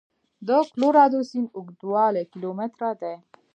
د کلورادو سیند اوږدوالی کیلومتره دی.